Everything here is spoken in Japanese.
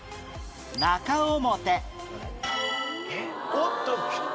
おっときた。